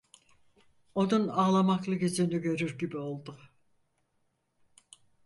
Onun ağlamaklı yüzünü görür gibi oldu.